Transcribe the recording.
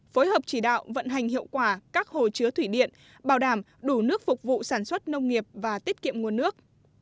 phối hợp chỉ đạo vận hành hiệu quả các hồ chứa thủy điện bảo đảm đủ nước phục vụ sản xuất nông nghiệp và tiết kiệm nguồn nước